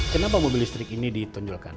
kenapa mobil listrik ini ditonjolkan